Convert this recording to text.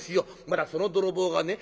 またその泥棒がね